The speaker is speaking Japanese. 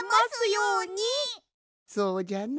そうじゃな。